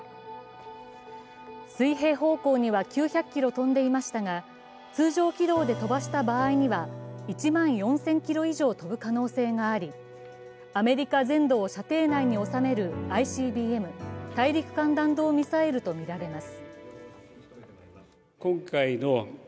水平方向には９００ｋｍ飛んでいましたが通常軌道で飛ばした場合には１万４０００ｋｍ以上飛ぶ可能性があり、アメリカ全土を射程内に収めるＩＣＢＭ＝大陸間弾道ミサイルと見られます。